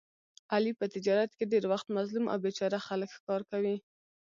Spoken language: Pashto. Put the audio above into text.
علي په تجارت کې ډېری وخت مظلوم او بې چاره خلک ښکار کوي.